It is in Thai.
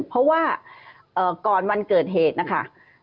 เพราะว่าก่อนวันเกิดเหตุนะคะ